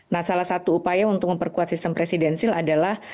nah salah satu upaya untuk memperkuat sistem presidensil adalah